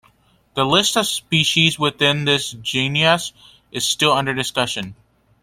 The list of species within this genus is still under discussion.